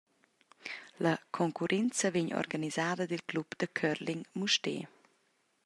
La concurrenza vegn organisada dil Club da curling Mustér.